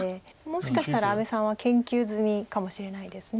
もしかしたら阿部さんは研究済みかもしれないです。